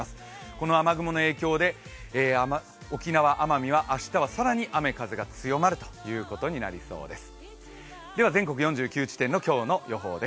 この雨雲の影響で沖縄・奄美は明日は更に雨風が強まるということになりそうです。